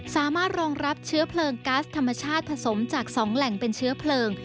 สามารถรองรับเชื้อเพลิงก๊าซธรรมชาติผสมจาก๒แหล่งเป็นเชื้อเพลิง